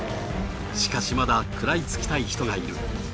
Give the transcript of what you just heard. しかしまだ食らいつきたい人がいる。